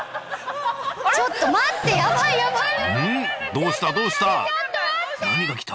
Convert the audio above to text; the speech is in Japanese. どうしたどうした？